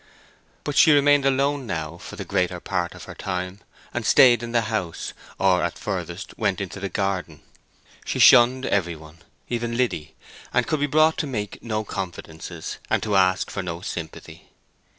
But she remained alone now for the greater part of her time, and stayed in the house, or at furthest went into the garden. She shunned every one, even Liddy, and could be brought to make no confidences, and to ask for no sympathy.